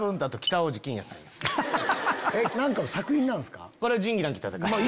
何かの作品なんですか？